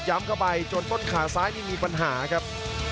เข้าไปจนต้นขาซ้ายนี่มีปัญหาครับ